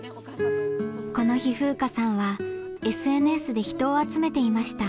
この日風夏さんはＳＮＳで人を集めていました。